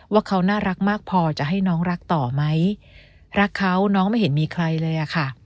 ว่าเขาน่ารักมากพอจะให้น้องรักต่อไหมรักเขาน้องไม่เห็นมีใครเลยอะค่ะ